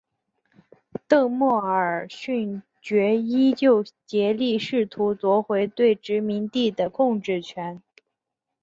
邓莫尔勋爵依旧竭力试图夺回对殖民地的控制权。